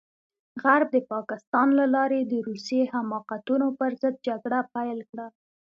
غرب د پاکستان له لارې د روسي حماقتونو پرضد جګړه پيل کړه.